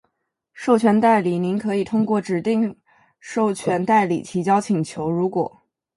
授权代理。您可以选择通过指定授权代理提交请求，如果：